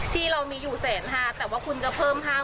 ที่เรามีอยู่๑๕๐๐บาทแต่ว่าคุณจะเพิ่ม๕๐๐